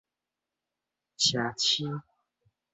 捙蛆